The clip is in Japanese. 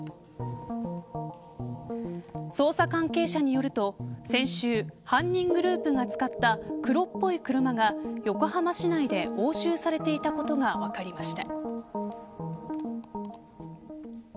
捜査関係者によると先週、犯人グループが使った黒っぽい車が横浜市内で押収されていたことが分かりました。